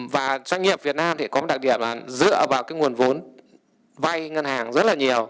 và doanh nghiệp việt nam thì có một đặc điểm là dựa vào cái nguồn vốn vay ngân hàng rất là nhiều